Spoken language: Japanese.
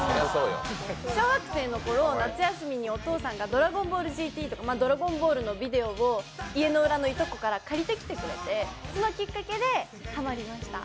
小学生のころ、お父さんが「ドラゴンボールＧＴ」とか、「ドラゴンボール」のビデオを家の裏のいとこから借りてきてくれて、それがきっかけでハマりました。